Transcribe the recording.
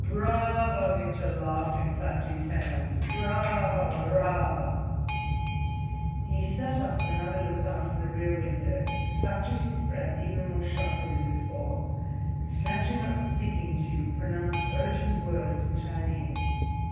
"Brava!" Victor laughed, and clapped his hands. "Brava! brava!" He sat up for another look out of the rear window, sucked at his breath even more sharply than before, and snatching up the speaking tube pronounced urgent words in Chinese.